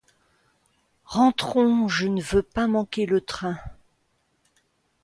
Rentrons, je ne veux pas manquer le train.